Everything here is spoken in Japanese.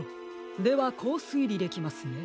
ではこうすいりできますね。